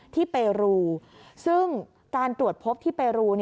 เปรูซึ่งการตรวจพบที่เปรู